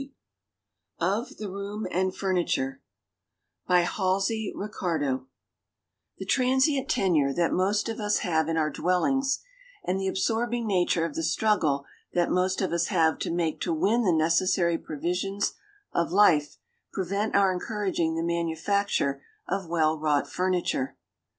PRIOR. OF THE ROOM AND FURNITURE The transient tenure that most of us have in our dwellings, and the absorbing nature of the struggle that most of us have to make to win the necessary provisions of life, prevent our encouraging the manufacture of well wrought furniture.